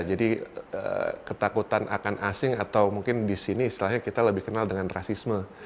jadi ketakutan akan asing atau mungkin disini istilahnya kita lebih kenal dengan rasisme